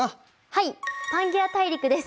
はいパンゲア大陸です。